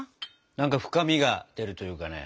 何か深みが出るというかね。